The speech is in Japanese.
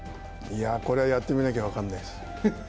これはやってみなきゃ分からないです。